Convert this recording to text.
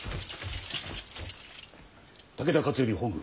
武田勝頼本軍